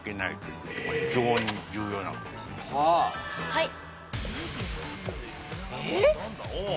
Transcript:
はい！